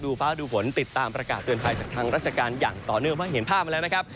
ฟ้าดูฝนติดตามประกาศเตือนภัยจากทางราชการอย่างต่อเนื่องเพราะเห็นภาพมาแล้วนะครับ